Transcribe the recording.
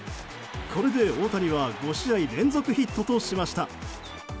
これで大谷は５試合連続ヒットとしました。